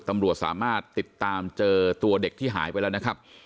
ตำรวจสามารถติดตามเจอตัวเด็กที่หายไปแล้วนะครับ